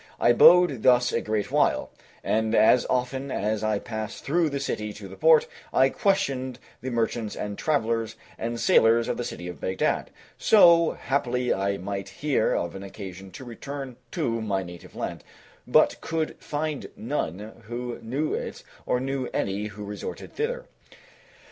I abode thus a great while, and as often as I passed through the city to the port, I questioned the merchants and travelers and sailors of the city of Baghdad; so haply I might hear of an occasion to return to my native land, but could find none who knew it or knew any who resorted thither.